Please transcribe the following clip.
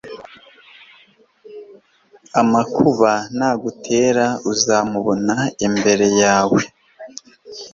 amakuba nagutera, uzamubona imbere yawe